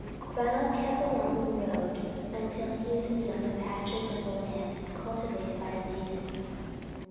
Ronald kept along the road until he was beyond the patches of land cultivated by the natives.